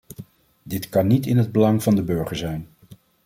Dit kan niet in het belang van de burger zijn.